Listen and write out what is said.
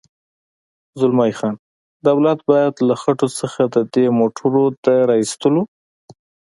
زلمی خان: دولت باید له خټو څخه د دې موټرو د را اېستلو.